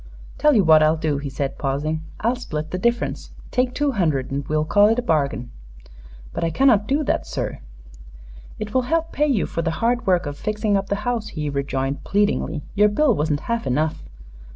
"Tell you what I'll do," he said, pausing. "I'll split the difference. Take two hundred and well call it a bargain." "But I cannot do that, sir." "It will help pay you for the hard work of fixing up the house," he rejoined, pleadingly. "Your bill wasn't half enough."